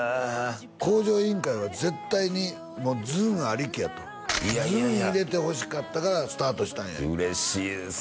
「向上委員会」は絶対にずんありきやとずん入れてほしかったからスタートしたんや嬉しいですね